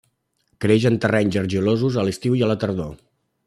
Creix en terrenys argilosos a l'estiu i a la tardor.